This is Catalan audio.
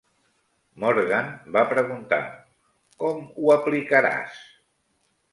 Morgan va preguntar: com ho aplicaràs?